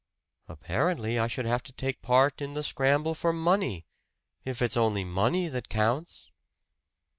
"Apparently, I should have to take part in the scramble for money if it's only money that counts."